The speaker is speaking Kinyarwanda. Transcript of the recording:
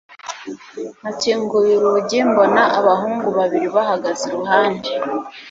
nakinguye urugi mbona abahungu babiri bahagaze iruhande